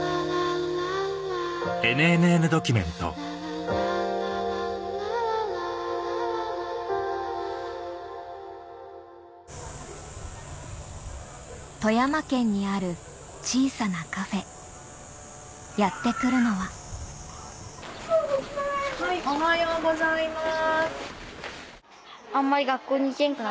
数字が富山県にある小さなカフェやって来るのはおはようございます。